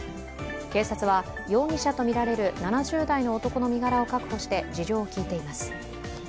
警察は容疑者とみられる７０代の男の身柄を確保して事情を聞いています。